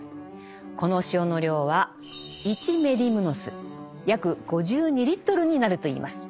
この塩の量は１メディムノス約５２リットルになるといいます。